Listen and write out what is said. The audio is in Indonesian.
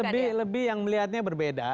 jadi lebih lebih yang melihatnya berbeda